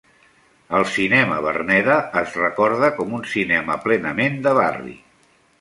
El cinema Verneda es recorda com un cinema plenament de barri.